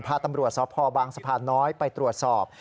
พาตำรวจสพบางสะพานน้อยไปตรวจสอบ